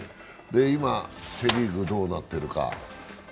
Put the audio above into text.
今、セ・リーグ、どうなってるか。